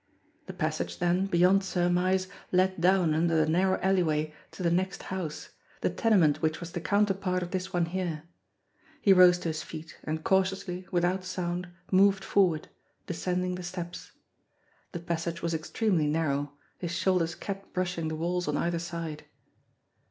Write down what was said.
The passage, then, beyond surmise, led down under the narrow alleyway to the "next house" the tenement which was the counterpart of this one here. He rose to his feet, and cautiously, without sound, moved forward, descending the steps. The passage was extremely narrow, his shoulders kept brushing the walls on either side.